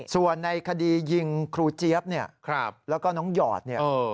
ส่วนในคดียิงครูเจี๊ยบเนี่ยแล้วก็น้องหยอดเนี่ย